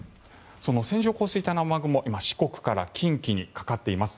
その線状降水帯の雨雲が今四国から近畿にかかっています。